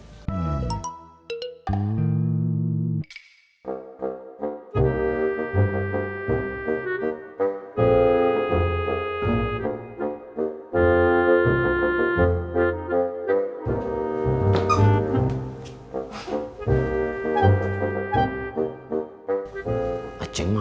harus abang pindahin korban